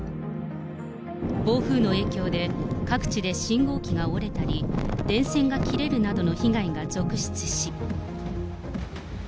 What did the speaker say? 暴風の影響で、各地で信号機が折れたり、電線が切れるなどの被害が続出し。